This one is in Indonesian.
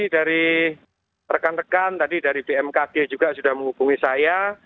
dari rekan rekan tadi dari bmkg juga sudah menghubungi saya